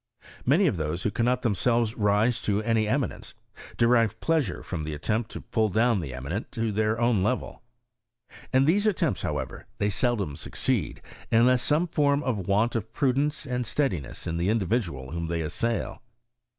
Many of those who cannot themselves rise to any eminence, derive pleasure from the attempt to pull down the eminent to their own level. In these attempts, however, they seldom succeed, unless horn some want of prudence and steadiness in the individual whom they assail.